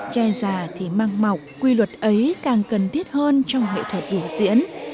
tre già thì mang mọc quy luật ấy càng cần thiết hơn trong nghệ thuật biểu diễn